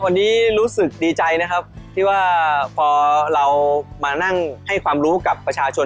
วันนี้รู้สึกดีใจนะครับที่ว่าพอเรามานั่งให้ความรู้กับประชาชน